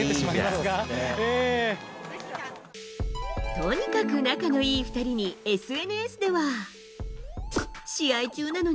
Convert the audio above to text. とにかく仲のいい２人にＳＮＳでは。